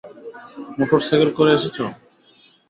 Motor সাইকেলে করে এসেছ?